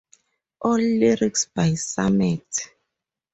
All lyrics by Sammet.